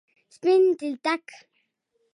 سپین تلتک،